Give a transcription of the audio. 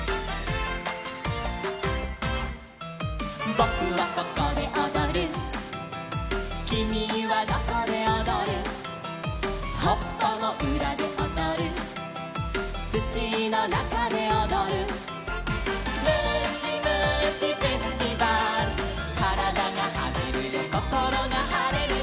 「ぼくはここでおどる」「きみはどこでおどる」「はっぱのうらでおどる」「つちのなかでおどる」「むしむしフェスティバル」「からだがはねるよこころがはれるよ」